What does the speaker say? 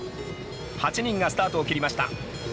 ８人がスタートを切りました。